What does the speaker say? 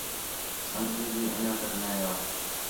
سنڳتی بھی انڄیاں تک نے آ